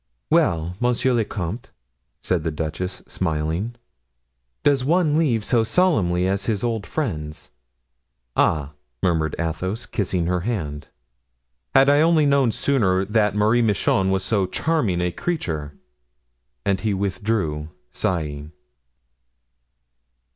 "Well, monsieur le comte," said the duchess, smiling, "does one leave so solemnly his old friends?" "Ah," murmured Athos, kissing her hand, "had I only sooner known that Marie Michon was so charming a creature!" And he withdrew, sighing.